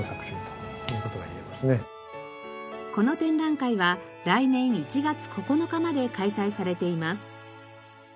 この展覧会は来年１月９日まで開催されています。